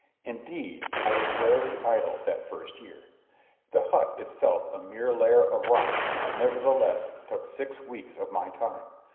Indeed, I was rarely idle, that first year. The hut, itself a mere lair of rocks, nevertheless took six weeks of my time.